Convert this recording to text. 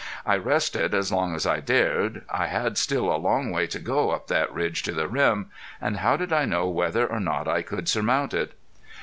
I rested as long as I dared. I had still a long way to go up that ridge to the rim, and how did I know whether or not I could surmount it.